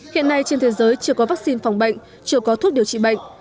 hiện nay trên thế giới chưa có vaccine phòng bệnh chưa có thuốc điều trị bệnh